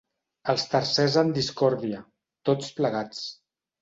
Els terces en discòrdia, tots plegats.